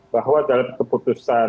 bahwa dalam keputusan